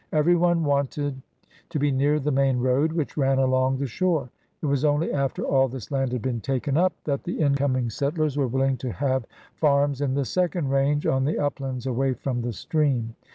Everyone wanted to be near the main road which ran along the shore; it was only after all this land had been taken up that the incoming settlers were willing to have farms in the ^^ second range'' on the uplands away from the stream.